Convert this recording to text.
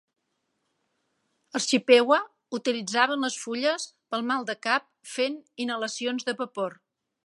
Els Chippewa utilitzaven les fulles per al mal de cap fent inhalacions de vapor.